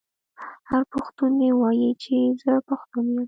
هر پښتون دې ووايي چې زه پښتو یم.